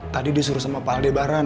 tadi disuruh sama pak aldebaran